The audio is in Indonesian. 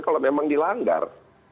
kalau memang dilanggar